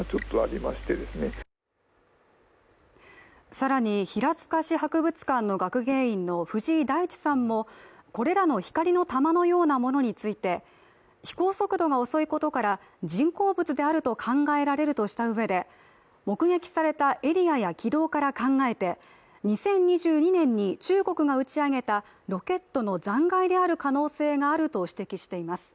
更に、平塚市博物館の学芸員の藤井大地さんもこれらの光の球のようなものについて、飛行速度が遅いことから人工物であると考えられるとしたうえで目撃されたエリアや軌道から考えて２０２２年に中国が打ち上げたロケットの残骸である可能性があると指摘しています。